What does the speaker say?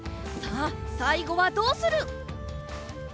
さあさいごはどうする！？